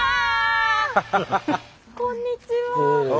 こんにちは。